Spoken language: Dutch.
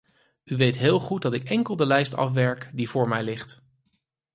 U weet heel goed dat ik enkel de lijst afwerk die voor mij ligt.